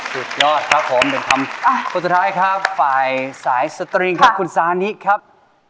สุดยอดครับผมเป็นคำคนสุดท้ายครับฝ่ายสายสตริงครับคุณซานิครับ